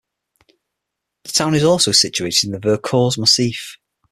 The town is also situated in the Vercors Massif.